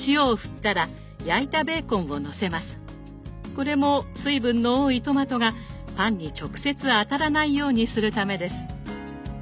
これも水分の多いトマトがパンに直接当たらないようにするためです。